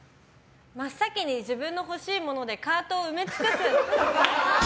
真っ先に自分の欲しいものでカートを埋め尽くす。